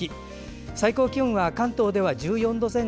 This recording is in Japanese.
最高気温は関東では１４度前後。